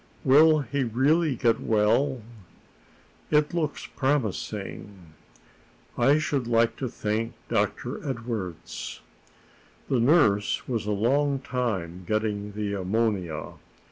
Will he really get well?" "It looks promising." "I should like to thank Dr. Edwardes." The nurse was a long time getting the ammonia.